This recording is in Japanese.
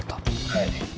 はい。